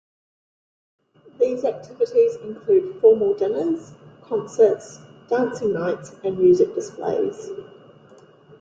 These activities include formal dinners, concerts, dancing nights and music displays.